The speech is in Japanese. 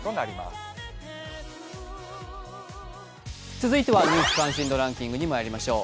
続いては「ニュース関心度ランキング」にまいりましょう。